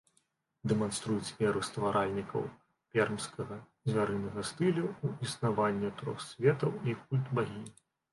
Дэманструюць веру стваральнікаў пермскага звярынага стылю ў існаванне трох светаў і культ багінь.